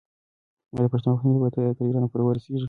آیا د پښتنو واکمني به تر ایران پورې ورسیږي؟